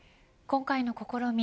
今回の試み